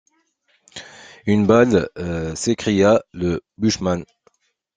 Une balle! s’écria le bushman.